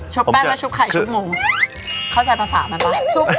ชุบแป้งชุบไข่ชุบหมู